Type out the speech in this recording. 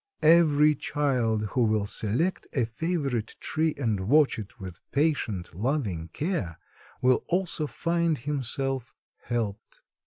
Every child who will select a favorite tree and watch it with patient, loving care will also find himself helped.